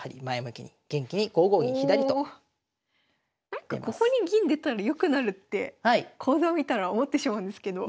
なんかここに銀出たら良くなるって講座を見たら思ってしまうんですけど。